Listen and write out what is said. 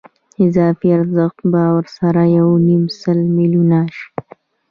اضافي ارزښت به ورسره یو نیم سل میلیونه شي